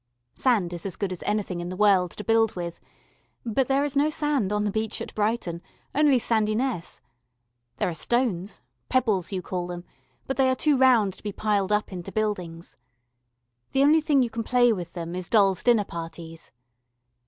Sand is as good as anything in the world to build with but there is no sand on the beach at Brighton, only sandiness. There are stones pebbles you call them, but they are too round to be piled up into buildings. The only thing you can play with them is dolls' dinner parties.